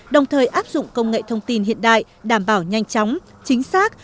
đồng thời áp dụng công nghệ thông tin hiện đại đảm bảo nhanh chóng chính xác